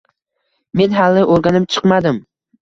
Men hali oʻrganib chiqmadim